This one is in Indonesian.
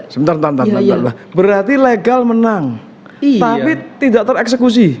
sebentar berarti legal menang tapi tidak tereksekusi